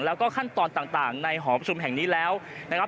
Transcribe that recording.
แล้วก็ขั้นตอนต่างในหอประชุมแห่งนี้แล้วนะครับ